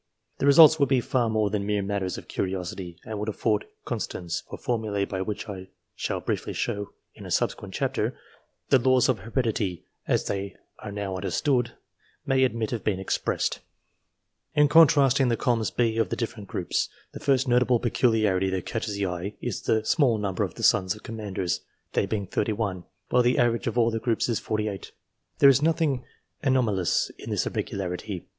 The results would be far more than mere matters of curiosity ; they would afford constants for formulae by which, as I shall briefly show in a subsequent chapter, the laws of heredityN as they are now understood, may admit of being expressedf In contrasting the columns B of the different groups, the first notable peculiarity that catches the eye is the small number of the sons of Commanders ; they being 31, while the average of all the groups is 48. There is nothing anomalous in this irregularity.